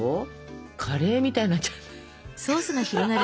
カレーみたいになっちゃって。